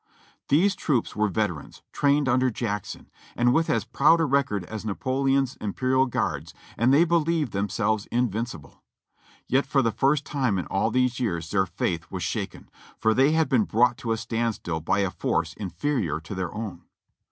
These troops were veterans, trained under Jackson, and with as proud a record as Napoleon's Imperial Guards, and they believed themselves invincible; yet for the first time in all these years their faith was shaken, for they had been brought to a stand still by a force inferior to their own.